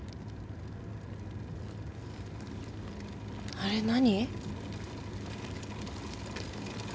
あれ何？